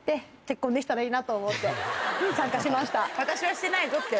私はしてないぞって。